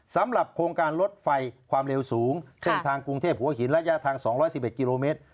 สำหรับโครงการลดไฟความเร็วสูงเส้นทางกรุงเทพหัวหินระยะทาง๒๑๑กิโลเมตร